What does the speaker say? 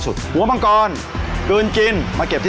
สวัสดีครับ